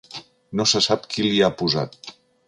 No se sap qui l’hi ha posat.